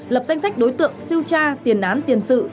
lập danh sách đối tượng siêu cha tiền án tiền sự